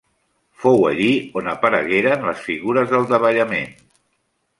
Fou allí on aparegueren les figures del davallament.